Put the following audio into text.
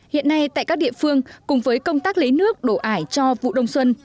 hiện nay tại các địa phương cùng với công tác lấy nước đổ ải cho vụ đông xuân